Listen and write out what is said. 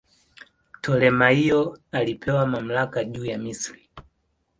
Ptolemaio alipewa mamlaka juu ya Misri.